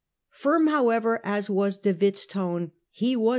Firm however as was De Witt's tone, he was sur 1664